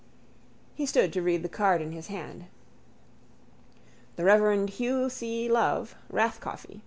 He stood to read the card in his hand. —The reverend Hugh C. Love, Rathcoffey.